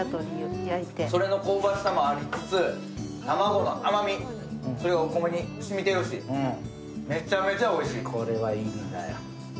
それの香ばしさもありつつ、卵の甘みがお米にしみてるしめちゃめちゃおいしい。